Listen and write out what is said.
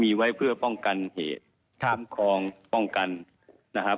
มีไว้เพื่อป้องกันเหตุป้องกันนะครับ